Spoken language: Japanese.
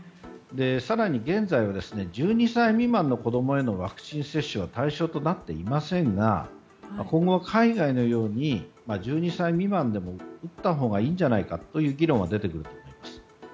更に現在は１２歳未満の子供へのワクチン接種は対象となっていませんが今後、海外のように１２歳未満でも打ったほうがいいんじゃないかという議論は出てくると思います。